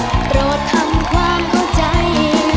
โปรดทำความเข้าใจ